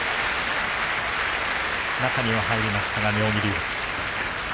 中に入りましたが妙義龍。